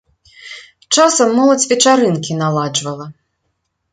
Часам моладзь вечарынкі наладжвала.